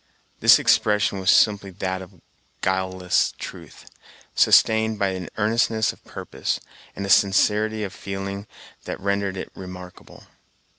This expression was simply that of guileless truth, sustained by an earnestness of purpose, and a sincerity of feeling, that rendered it remarkable.